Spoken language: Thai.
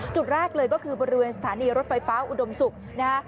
จุดแรกเลยก็คือบริเวณสถานีรถไฟฟ้าอุดมศุกร์นะฮะ